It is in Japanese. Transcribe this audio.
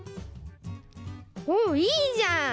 おっいいじゃん。